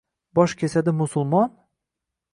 Bosh kesadi musulmon?